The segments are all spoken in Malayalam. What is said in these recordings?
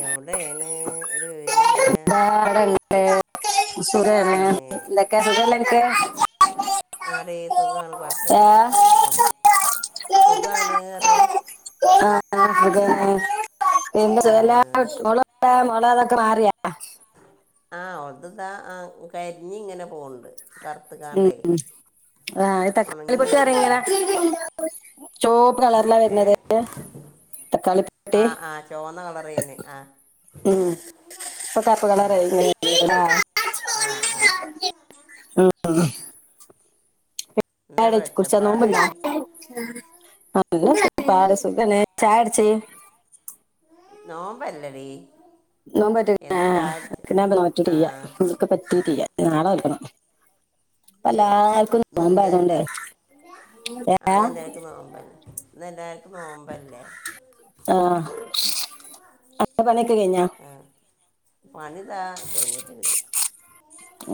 എവിടെയാണ് ഒരു വിവരുല്ല സുഖല്ലേ സുരല്ലന ക്ക്. അതെ സുഖാണ് ഏ ആ കൊഴപ്പില്ല. ങ്ങനെ പോണ്. സുഖാണ് അറിയ ആ ആ അതള [unintelligible] ല്ലാതാക്കറആറിയ. ആഹ് ഉത്താ ആ കരിഞ്ഇങ്ങനെ പോണ്ട് ഉം ആ തക്കാളി ഉണങ്ങി പൊട്ടിറങ്ങന വരുന്നുണ്ട് ചോപ്പ് കളറല്ലാ ഏ വരുന്നത് തക്കാളി പട്ടി ആ ആ ചുവന്ന കളർ ചെയ്യുന്നത് ആ ഉ ഇപ്പൊ കപ്പ ആ കളറ ഇങ്ങന ആ ആ ആഹ് വട എന്താണ് കുറിച്ച ഒച്ചപ്പാട് നോമ്പിണ്ട സുഖല്ലേ ചാ ചായടിച്ച് നോമ്പല്ലടീ. നോ ആ പറ്റീ്യ നക്ക് പറ്റി തീ്യ ഞളെ വെക്കണം. അല്ല ഏ, ആക്ക ഇന്നെന്ത് പോമ്പയതുകൊണ്ട് ഏ ഇ എല്ലാവർക്കും നോമ്പല്ലേ. ആഹ്. ആഹ് പണിതാ കഴിഞ്ഞിട്ടില്ല.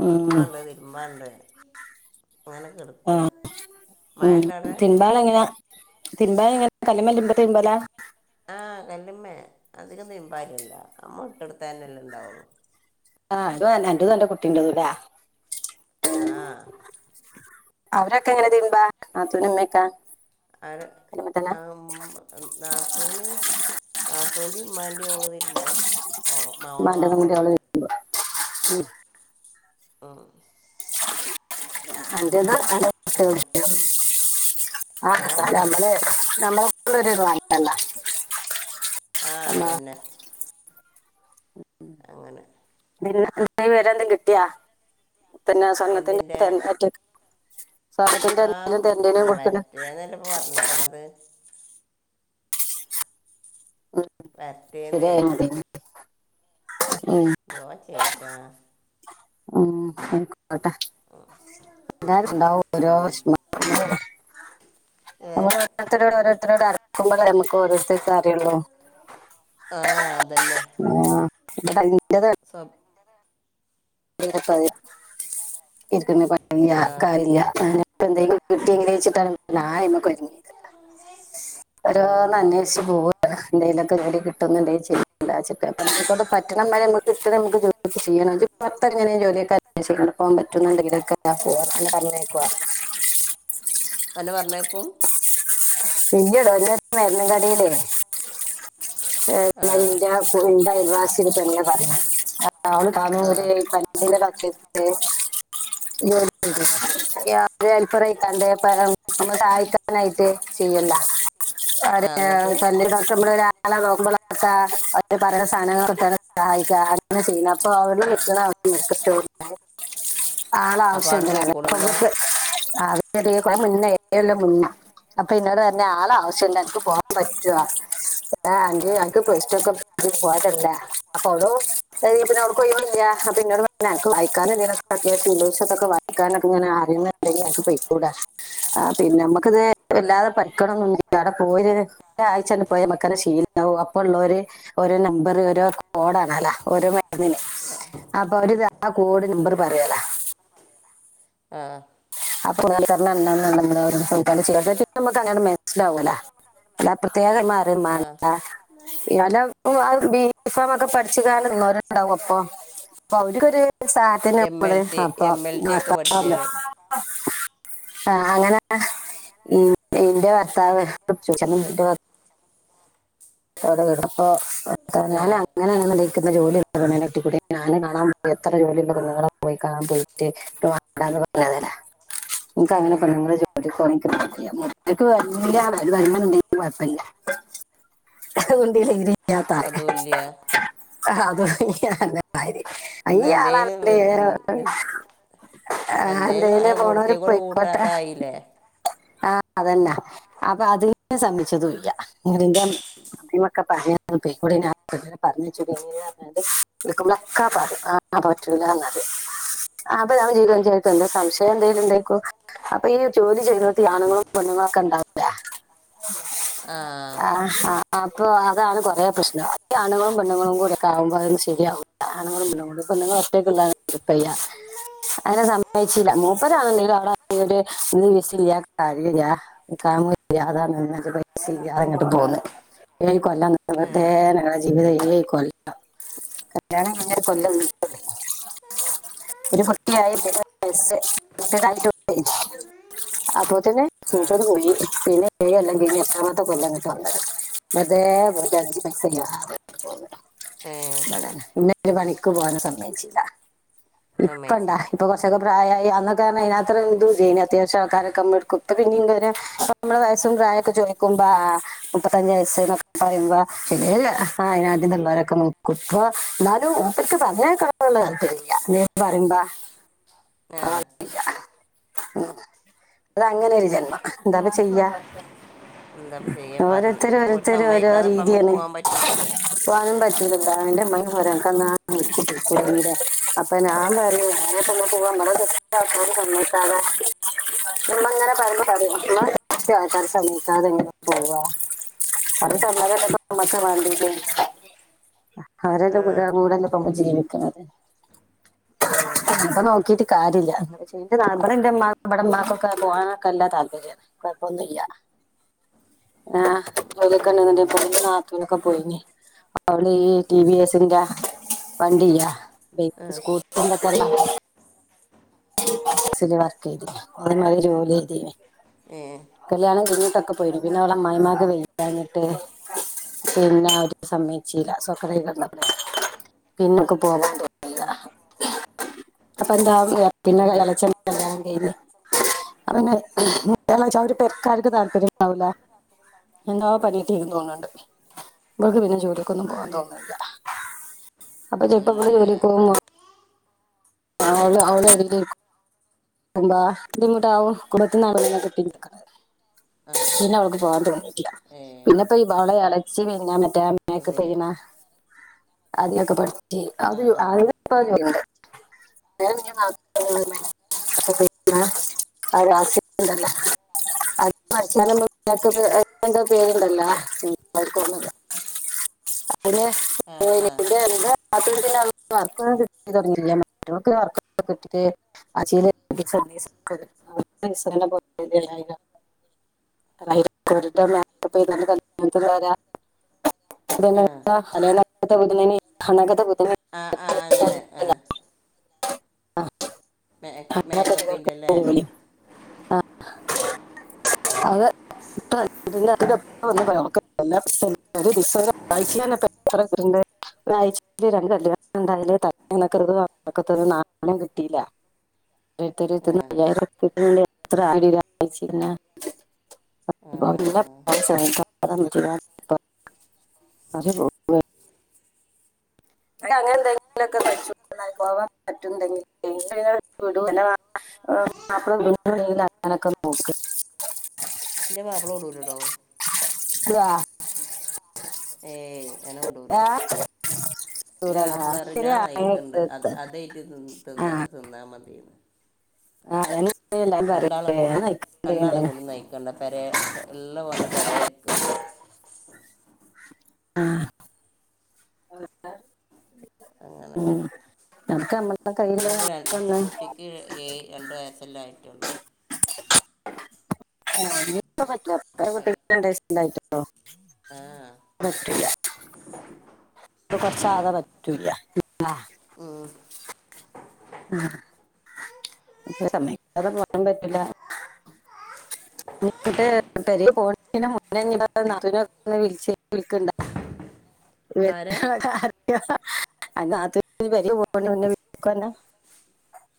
ഉം നടക്കാണ്ട് തിരുമാണ്ട്. ആ അങ്ങനെയൊക്കെടുക്ക മായണ്ടടെ. തിൻമ്പ എങ്ങന കല്മ്മേ തിൻമ്പല. ആഹ് കല്ല്മ്മേ അധികം നിമ്പാര്യല്ല നമ്മ ഇട്ടെടുത്തന്നെല്ലാം ഇണ്ടാവുള്ളു. ആ അ എന്റെതു അന്റെ കുട്ടിന്റതൂല്ലേ. ആഹ് അവരൊക്കെ എങ്ങനെ തീമ്പാ നാത്തൂനുമ്മയൊക്ക. അത് ആമ്മ നാത്തൂന് താത്തോന്റെ ഉമ്മാന്റെ ഓള് തരുമ്പോ ഓ മാവോളെ വപ്പള്ളു. ഉം ആഹ് അ ആ ഏ ഞമ്മ ഞമ്മള [unintelligible] ആഅതന്നെ. അങ്ങനെ നിന്ന വരെന്ത കിട്ടിയാ. പിന്നെ സ്വർണ്ണത്തിന്റെ ആഹ് വറ്റേന്നല്ലപ്പൊ പറണിക്കണത്. മറ്റേതെ ശരിയായി മതി ഉം. ദോ ചേറ്റാ [unintelligible] ട്ട എല്ല ഇണ്ടാവും ഓരോ ഉം. വേഷ നമ്മൾ ഏഹ് ഓരോരുത്തരോട് ഓരോരുത്തരോട് അറക്കുമ്പോ നമുക്ക് ഓരോരുത്തർക്ക് അറിയുള്ളൂ. ആഹ് അതന്നെ. [unintelligible] സ ഇക്കുന്ന പ ആഹ് കാര്യല്ല. ഇന്തങ്കക്കും കിട്ടി എങ്ങെച്ചിട്ടായ്മക്കൊരുങ്ങി. ഒരു ആഹ് നന്നഷി പോവ എന്തെലുക്കെ എടി കിട്ടുന്നുണ്ട ശ പ പറ്റണംരെക്ക് ഇ നക്ക്ചെയ്യണ പുറത്ത എങ്ങനെയും ജോലിയൊക്കെ അണ്ട് പോകാൻ പറ്റുന്നുണ്ട് ഇതൊക്കെ പോവാ അ പറഞ്ഞെക്കുവാ അന്നെ പറഞ്ഞേക്കും. ഇല്ലടോ ഒന്ന മരുന്ന കടില്ലേ? ആഹ് ന്തസട്ട [unintelligible] [unintelligible] പറയാ കാ ആഹ് പണ്ടികൊക്കെത്ത് [unintelligible] ജോലിയുണ്ടൊ അല്പറയിക്കാണ്ട് [unintelligible] ഒന്നു സഹായിക്കാനായിട്ട് [unintelligible] ആഹ് ഏ എന്നിട്ട് പല്ല് ഡോക്ടറ് ഇവിടൊരാ ല നോക്കുമ്പോൾ ഒക്കെ പറയുന്ന സാധനങ്ങള് സഹായിക്കാ അങ്ങനാ ചെയ്യുന്ന് അപ്പൊ അവള് ആളെ അപ്പൊ ആവശ്യം ആണ്ട് എന്തിനാ പോയിക്കൂടെന്നാ ചടിയ [unintelligible] മുന്നല്ല [unintelligible] മുന്ന [unintelligible] അപ്പൊ ഇന്നോട് പറഞ്ഞു ആളെ ആവശ്യൊണ്ട് എനക്ക് പോവാൻ പറ്റുവോ അഞ് [unintelligible] ആഹ് അനക്ക് പേസ്റ്റൊക്കെ പോട്ടില്ലേ [unintelligible] അപ്പൊ അന്നെവിടെ [unintelligible] പിന്നോട് വായിക്കാനും നിക്ക ദശസത്തൊക്കെ [unintelligible] അപ്പൊ ഇന്നോട് പറഞ്ഞു അനക്ക് വായിക്കാനെന്തേലൊക്കെ ഞൻ [unintelligible] അറുന്നുണ്ടെക്ക് പോയി [unintelligible] ട ആ പിന്നെ നമ്മുക്കിത് ഇല്ലാതെ പഠിക്കണൊന്നൊന്നുവില്ല അവിടെ പോയി ഒരാഴ്ച തന്നെ പോയാ നമക്കത് ശീലാകും അപ്പൊ ഉള്ളോര് ഓരോ നമ്പര് ഓരോ കോഡാണ് അല്ല ഓരോ മരുന്നിന് അപ്പൊ അവരത് ആ കോട് നമ്പര് പറയാലോ ആഹ് കുൽണം [unintelligible] നമ്മക്കങ്ങനെ മനസിലാവൂല്ല അല്ലാതെ പ്രത്യേക ആരേം ആഹ് വേണ്ട അല്ലെ [unintelligible] ബി ഫാമൊക്കെ പഠിച്ചു കാണുന്നരുണ്ടാവും [unintelligible] അപ്പൊ അപ്പ അവർക്കൊരു സാ എം എൽ നമ്മള് ടി എം എൽ അപ്പപ്പ ടി ഒക്കെ പഠിച്ചേര് [unintelligible] ആ അങ്ങനെ ഇ ഇന്റെ ഭർത്താവ് [unintelligible] അവിടെ വിടും അപ്പൊ ഞാൻ ആഹ് അങ്ങനെയയിക്കുന്ന [unintelligible] ജോലി അതുകൊെ ഒറ്റ കൂട്ടി ഞും [unintelligible] കാണാൻ പോയിട്ട് എത്ര ജോലിയുള്ള പെണ്ണുങ്ങളെ കാണാൻ പോയിട്ട് പറഞ്ഞതല്ലെ [unintelligible] നിനക്ക് അങ്ങനെ ആഹ് പറയാം നിങ്ങള് ജോ റ വ വരുണ്ടെ [unintelligible] കൊഴപ്പവില്ല ഉണ്ടില ഇ ത അതുംല്ല അത നല്ല ക [unintelligible] ഇന്ന് അയ്യ [unintelligible] എന്തേലും ആളാണല്ലേ ആ ആയ എന്തേലും പോണവര് കൂടുത്തി കൂടെ കൂട്ടാ പോയ്ക്കോട്ടെ അതായില്ലേ ആ അത് തന്നെ അപ്പൊ അതിന് ശ്രമിച്ചതുവില്ല അടിന്റെ [unintelligible] ആ ആ പറ്റൂല്ലാന്ന് പറയും ആ അപ്പൊ നമ്മ ജീവിതംചാരിക്കോ [unintelligible] സംശയം എന്തേലും ഉണ്ടക്കോ അപ്പൊ ഈ ജോലി ചെയ്യുന്നിടത്തീ ആണുങ്ങളും പെണ്ണുങ്ങളും [unintelligible] ആ അപ്പോ അതാണ് കൊറേ പ്രശ്നം ആ അപ്പൊ [unintelligible] ഈ ആണുങ്ങളും പെണ്ണുങ്ങളും കൂടൊക്കെ ആവുമ്പോ അതൊന്നും ശരിയാവൂല്ല ആണുങ്ങളും പെണ്ണുങ്ങളും ഈ പെണ്ണുങ്ങള് ഒറ്റക്ക് ഉണ്ടാരുന്നെ കൊഴപ്പവില്ല അങ്ങനെ സമ്മയിച്ചില്ല മൂപ്പരാണെങ്കിലും അവിടെ വീട് [unintelligible] സാമോ [unintelligible] ഇല്ല അതാണ് എന്നിട്ട് [unintelligible] പൈസ ഇല്ലാതെ ഇങ്ങോട്ട് പോന്നെ കൊല്ലാംത്തെേ ഏഹ് [unintelligible] ഞങ്ങടെ ജീവിതം ഏഴു കൊല്ലം കല്യാണം കഴിഞ്ഞിട്ട് കൊല്ലം [unintelligible] ഒരു കുട്ടിയായി ബ [unintelligible] അപ്പൊ തന്നെ ആഹ് മൂപ്പര് പോയി പിന്നെ ഏഴു കൊല്ലം കഴിഞ്ഞ് എട്ടാമത്തെ കൊല്ലവാ ഇങ്ങട്ട് വന്നെ മതേ വ അസ ഏഹ് [unintelligible] എന്നെയൊട്ട് പണിക്ക് പോകാനും സമ്മതിക്കൂല്ല ഇപ്പണ്ടോ സമ്മയിച്ചില്ല ഇപ്പൊ കൊറച്ചൊക്കെ പ്രായാ അന്നൊക്കെ അതിനകത്ര എ [unintelligible] ചെയ അത്യാവശ്യം ആൾക്കാരൊക്കെ ഇപ്പന്ന ഇ [unintelligible] നമ്മ വയസും പ്രായൊക്കെ ചെ ചോയ്ക്കുമ്പ ആ മുപ്പത്തഞ്ച് വയസ് എന്നൊക്കെ പറയുമ്പോ പിന്നെ അതിന [unintelligible] ആദ്യംള്ളവരൊക്കെ [unintelligible] നോക്കും എന്നാലും [unintelligible] നൻ പറയുമ്പോ ആ ഉം അതങ്ങനെ ഒരു ജന്മം എന്തായിപ്പൊ ചെയ്യാ എന്താണ് ചെയ്യാൻ ഓരോരുത്തര് പറഞ്ഞത് ഒരു ഓരോരുത്തര് ഓരോ സമ്മതിക്കാതെ ഇപ്പം നമുക്ക് രീതിയാണ് പോകാൻ പറ്റൂലല്ലോ അപ്പൊ അത് പറ്റന്റെമ്മരൊക്കെ [unintelligible] അപ്പൊ ഞാൻ പറയും [unintelligible] [unintelligible] നമ്മ ഇങ്ങനെ പറഞ്ഞ [unintelligible] ശ്രമിക്കാതെ എങ്ങനെ പോവാ അത് ത അമ്മ [unintelligible] അവരെല്ലാം ക ആ കൂടെല്ല പോ ജീവിക്ക ആ അപ്പൊ നോക്കീട്ട് കാര്യല്ല പക്ഷെ എന്റെ നമ്മ എ നമ്മടമാക്കൊക്കെ പോകാനൊക്കെ എല്ലാ താല്പര്യം പ്പൊന്നില്ല [inaudible] [inaudible] ആ [unintelligible] ഏ ണ്ടത്തനൊക്കെ പോയി അവള് ഈ ടി വി എസിന്റെ വണ്ടിയ്യാ ആ സ്കൂ [unintelligible] ചല് വർക്ക് ചെയ്തി അത്മാര് പോലെ ചെയതി ഏ കല്യാണം കഴിഞ്ഞിട്ടൊക്കെ പോയിന് പിന്നെ അവള അമായിമാക്ക് വെ കഴിഞ്ഞിട്ട് പിന്നെ ഒരു സമയച്ചല്ല [unintelligible] പിന്നക്കെ പോവാൻ അപ്പൊ എന്താ പിന്നെ ആ ശരി വളച്ചെൻ കയ്ല് അനെ കേരളെച്ച അവര് പെക്കാർക്ക് താല്പര്യം ഉണ്ടാവൂല എന്താവാ പനട്ടേക്കന്ന് തോന്നുന്നുണ്ട് ഇമ്മക്ക് പിന്നെ ജോലിക്കൊന്നും പോകൻ ഏ തോന്നില്ല അപ്പൊ ചെറുപ്പ ഇവള് തോന്നുന്നില്ലല്ലേ ജോലിക് അവ അവളെ [unintelligible] [unintelligible] ബുദ്മുട്ടാവും കുടത്തി നടാ കിട്ട ആ പിന്നെ അവക്ക് പോവാൻ തോന്നിട്ടില്ല ഏ പിന്നെപ്പ ഈ വളെ ഇലച്ചി വങ്ങ ട്ട മക്ക് അത് ശരി ചെയ്യണ അധികൊക്കെ പഠിച്ച ആ അത് ആ അ [unintelligible] അ ഇ അ അസുംല്ല അത്സാന പേരുണ്ടല്ലോന്ന അെ പോ ആ ആ വർക്കൊ കിി തുടങ്ങി മറ്റക്ക് വർക്കക്കെ കിട്ടിട്ട് ആീ രാ ആ [unintelligible] ആ ആ അങ്ങനെ ആ ആഹ മ മേക്കപ്പിന്റെല്ലേ [inaudible] അതെ ഇണ്ട് ഒരാഴ്ച രല് എന്തായാല തക്കത്ക്ക നാള കിട്ടയില്ല ആ ത്രന്ന ആ [unintelligible] അ [unintelligible] അങ്ങനെ എന്തെങ്കിലും ഒക്കെ പഠിച്ചോ ൻ പറ്റെ വി ോട്ടക്ക എന്റെ പാപ്പളോഓടലടോ വാ ഏയ് അനോടൂല ചൂടാണ്. ആ, ാപ്പള ശരി, അറിഞ്ഞഞാൻ ആ, അങ്ങനെയൊക്കെ നയിക്കണ്ട് അ എടുത്ത്. അതായിട്ട് തി തിന്ന തിന്നാ മതിന്ന് ആഹ് എന്ന രണ്ടാളും കൂടി രണ്ടാളും കൂടി നയിക്കണ്ട പര ള്ള പണി പരയൽക്കന്ന് ഉ ആഹ നക്കമ്മ ഇനിപ്പോ ര കുട്ടിക്ക് ഏ രണ്ട വയസ്സെല്ലാം ആയിട്ടുള്ളു ആയി. റ്റേസ്ായിട്ടുള്ളോ ആ പറ്റില്ല അപ്പ കൊറച്ചാക പറ്റൂല്ല ആ അപ്പൊ സമയക്കതെ പോൻ പറ്റില്ല ആഹ ട്ട് പെരി പോ മ നറനൊ ഒ വിളിച്ച വിളിക്കണ്ടാ ആരെ നാത്തൂൻ പെരീ പോണത്തിന് മുന്നേ വിളിക്കോ അന്നേ [unintelligible]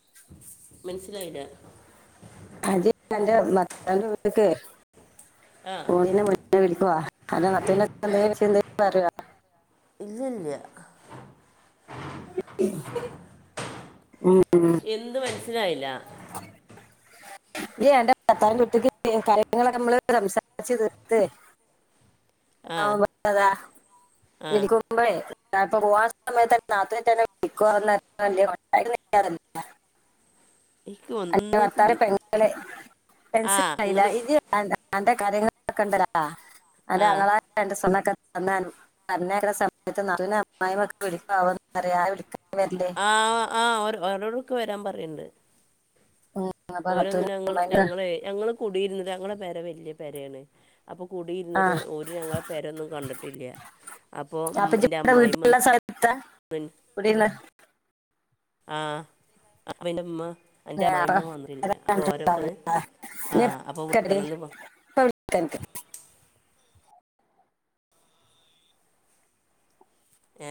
മനസിലായില്ല അജ എന്റെ ഭർത്താവിന്റെ വീട്ടക്ക ആ ണെ മുന്ന വിളിക്കുവവാ അല്ല മത്തില്ലന്ത ചിന്ത പറവാ ഇല്ല്യ ല്ല്യ ഉം മനസ്സിൽ ആയില്ല ഇ എൻ്റെ കത്താനൻ കുട്ടിക്ക് കാര്യങ്ങളൊക്കെ നമ്മള് സംസാരിച്ച്ു തീർത്ത ആ അതാ ആ വിളിക്കുമ്പോഴ് കപ്പ പോകൻ സമയത്ത്ന്നെ നത്ത തന്നെ വിിക്കുണ്ട എനിക്ക് ആ എന്തൊക്കെ ഭർത്താവിന്റെ പെങ്ങളെ ആ മനസ്സിൽ ആയല്ലേ ഇങ്ങോട്ട് ജി അന്റെ കാര്യങ്ങളൊക്കെണ്ടല്ല അ ആ അഞങ്ങളവണ്ണ എന്നഞ്ഞക്കുന്ന സമയത്ത് നല്ല അമ്മായി ഒക്കെ വിളിക്കവാറിയ വിള ആ ആ ഓരോടക്ക വരാൻ പറയണ്ട് ഉം അപ്പൊ ഓരോന്ന നത്തൂന് ഞങ്ങള് ഉമ്മാന്റെ ഞങ്ങള് ഞങ്ങള് കുടിയിരുന്നത് ഞങ്ങളുടെ പേര വല്യ പേരയാണ് അപ്പൊ ആ കൂടിയിരുന്നിട്ട് ഒരു ഞങ്ങളെ പേരൊന്നും കണ്ടിട്ടില്ല അപ്പോൾ എൻ്റെ ചപ്പ അമ്മായിമ്മ വീട്ടിലുള്ള സ്ഥലത്താ കുടില്ല ആ അപ്പൊന്റമ്മ ആ ഒന്ന് ആ അപ്പോൾ താങ്ക് വിളിക്കണമെന്ന് യു ഏ